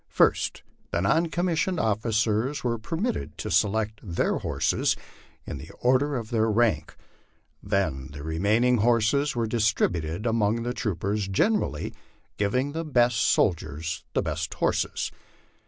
First, the non coni missioned officers were permitted to select their horses in the order of theii rank; then the remaining horses were distributed among the troopers gener ally, giving to the best soldiers the best horses.